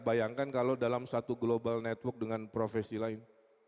bayangkan kalau dalam satu global network dengan profesi lain